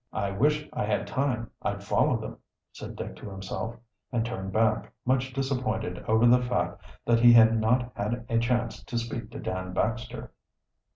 "I wish I had time I'd follow them," said Dick to himself, and turned back, much disappointed over the fact that he had not had a chance to speak to Dan Baxter.